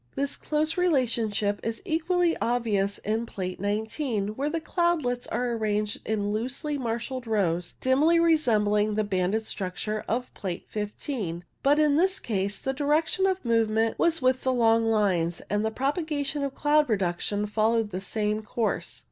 This close relation is equally obvious in Plate 19, where the cloudlets are arranged in loosely marshalled rows, dimly resembling the banded structure of Plate 15. But in this case the direction of movement was with the long lines, and the propagation of cloud production followed the same course.